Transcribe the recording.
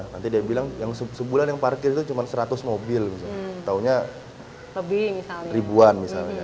nanti dia bilang yang sebulan yang parkir itu cuma seratus mobil misalnya taunya lebih ribuan misalnya